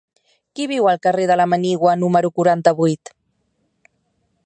Qui viu al carrer de la Manigua número quaranta-vuit?